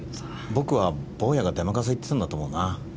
僕は坊やが出まかせ言ってたんだと思うな。